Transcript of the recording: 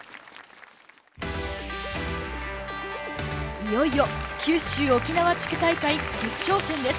いよいよ九州沖縄地区大会決勝戦です。